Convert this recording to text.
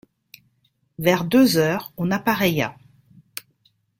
Vers deux heures on appareilla.